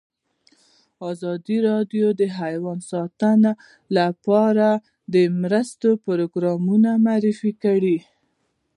ازادي راډیو د حیوان ساتنه لپاره د مرستو پروګرامونه معرفي کړي.